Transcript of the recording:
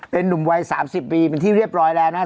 เป็นนุ่มวัย๓๐ปีเป็นที่เรียบร้อยแล้วนะครับ